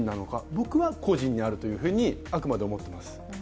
僕は個人にあるというふうにあくまで思っています。